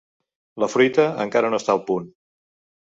La fruita encara no està al punt.